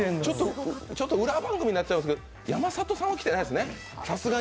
裏番組になっちゃんですけど山里さんは来てないですね。